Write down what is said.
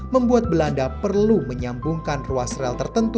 membuat belanda perlu menyambungkan ruas rel tertentu